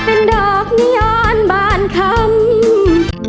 โปรดติดตามตอนต่อไป